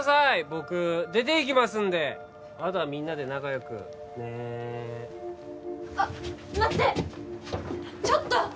僕出ていきますんであとはみんなで仲よくねあっ待ってちょっと！